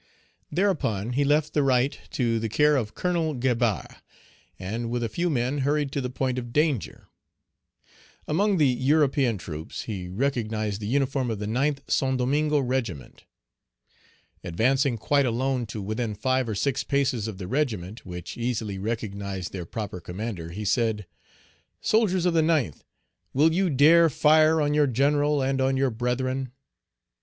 Thereupon he left the right to the care of Colonel Gabarre, and with a few men hurried to the point of danger. Among the European troops he recognized the uniform of the Ninth Saint Domingo regiment. Advancing quite alone to within five or six paces of the regiment, which easily recognized their proper commander, he said, "Soldiers of the ninth, will you dare fire on your general and on your brethren?"